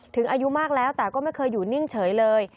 อายุมากแล้วแต่ก็ไม่เคยอยู่นิ่งเฉยเลย